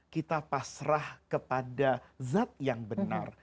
kita pasrah kepada zat yang benar